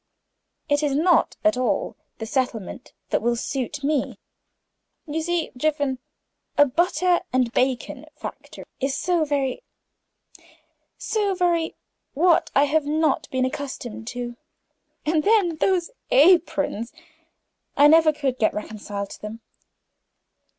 It is not at all a settlement that will suit me, you see, Jiffin. A butter and bacon factor is so very so very what I have not been accustomed to! And then, those aprons! I never could get reconciled to them."